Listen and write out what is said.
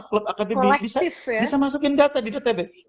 klub akademi bisa masukin data di dtb